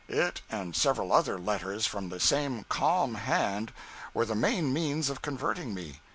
It and several other letters from the same calm hand were the main means of converting me.